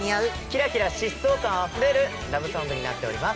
きらきら疾走感あふれるラブソングになっております。